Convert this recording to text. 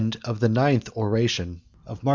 THE TENTH ORATION OF M.T.